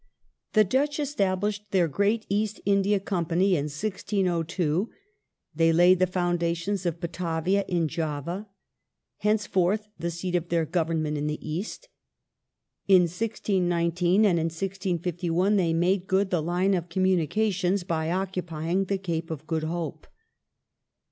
The Dutch established their great l^ast India Company in 1602 ; they laid the foundations of Batavia in Java — hencefoi th the seat of their Government in the East — in 1619, and, in 1651, they made good the line of their communications by occupying the Cape of Good Hope.